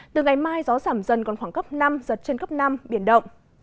từ ngày mai gió giảm dần còn khoảng cấp năm giật trên cấp năm biển động